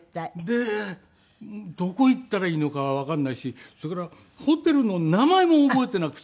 でどこ行ったらいいのかわからないしそれからホテルの名前も覚えていなくて。